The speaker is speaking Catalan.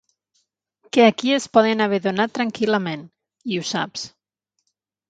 Que aquí es poden haver donat tranquil·lament, i ho saps.